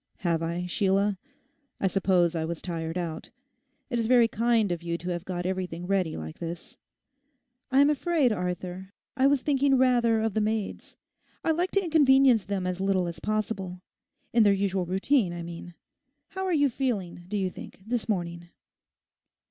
'Have I, Sheila? I suppose I was tired out. It is very kind of you to have got everything ready like this.' 'I am afraid, Arthur, I was thinking rather of the maids. I like to inconvenience them as little as possible; in their usual routine, I mean. How are you feeling, do you think, this morning?